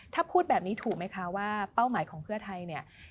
ถ้าพูดแบบนี้ถูกไหมคะว่าเป้าหมายของเพื่อไทยเนี่ย